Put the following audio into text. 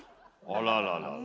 あらららら。